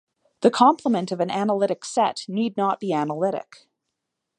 The complement of an analytic set need not be analytic.